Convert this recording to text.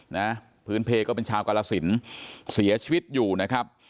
นะพื้นเพลก็เป็นชาวกรสินเสียชีวิตอยู่นะครับ